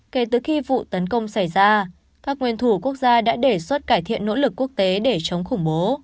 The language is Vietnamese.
kể từ khi vụ tấn công xảy ra các nguyên thủ quốc gia đã đề xuất cải thiện nỗ lực quốc tế để chống khủng bố